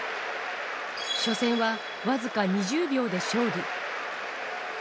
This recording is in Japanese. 初戦は僅か２０秒で勝利。